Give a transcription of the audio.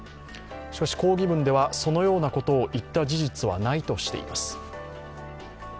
しかし、抗議文では、そのようなことを言った事実はないとしています。